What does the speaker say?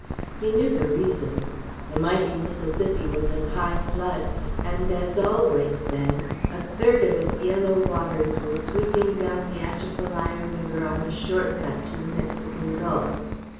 He knew the reason: the mighty Mississippi was at high flood, and as always then, a third of its yellow waters were sweeping down the Atchafalaya River on a "short cut" to the Mexican Gulf.